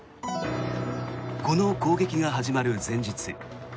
この攻撃が始まる前日